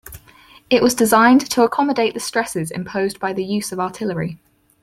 It was designed to accommodate the stresses imposed by the use of artillery.